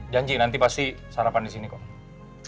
janji nanti pasti sarapan di sini kok